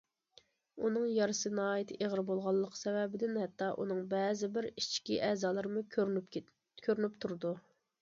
ئۇنىڭ يارىسى ناھايىتى ئېغىر بولغانلىقى سەۋەبىدىن ھەتتا ئۇنىڭ بەزى بىر ئىچكى ئەزالىرىمۇ كۆرۈنۈپ تۇرىدۇ.